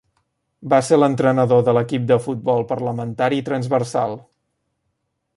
Va ser l'entrenador de l'equip de futbol parlamentari transversal.